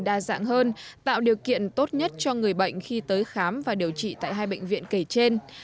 đa dạng hơn tạo điều kiện tốt nhất cho người bệnh khi tới khám và điều trị tại hai bệnh viện kể trên